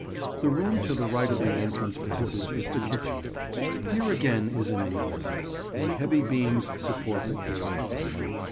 The room to the right of the entrance passage is the kitchen. Here again is an ingle nook, and heavy beams support the floor above.